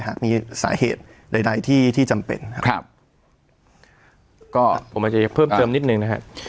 หากมีสาเหตุใดใดที่ที่จำเป็นครับก็ผมอาจจะเพิ่มเติมนิดหนึ่งนะครับ